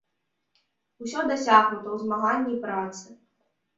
Усё дасягнута ў змаганні і працы.